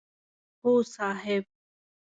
هو صاحب!